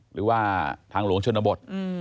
หรือว่าทางหลวงชนบท